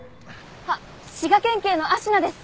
あっ滋賀県警の芦名です。